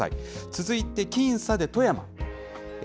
続いて僅差で富山。